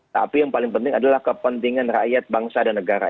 tapi yang paling penting adalah kepentingan rakyat bangsa dan negara